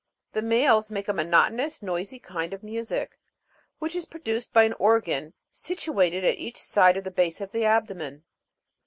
The males make a monotonous noisy kind of music, which is produced by an organ situated at each side of the base of the abdomen.